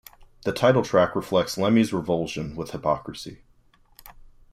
The title track reflects Lemmy's revulsion with hypocrisy.